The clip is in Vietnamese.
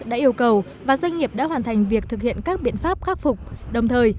đã yêu cầu và doanh nghiệp đã hoàn thành việc thực hiện các biện pháp khắc phục đồng thời